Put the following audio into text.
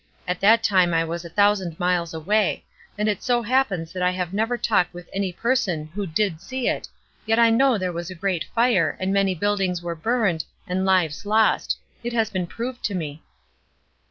At that time I was a thousand miles away; and it so happens that I have never talked with any person who did see it, yet I know there was a great fire, and many buildings were burned, and lives lost. It has been proved to me."